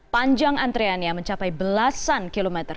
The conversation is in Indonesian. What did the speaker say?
panjang antreannya mencapai belasan kilometer